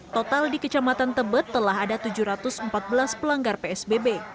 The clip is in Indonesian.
total di kecamatan tebet telah ada tujuh ratus empat belas pelanggar psbb